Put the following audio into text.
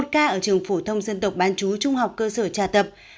một ca ở trường phổ thông dân tộc bán chú trung học cơ sở trà tập